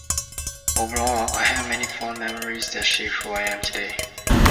Overall, I have many fond memories that shape who I am today.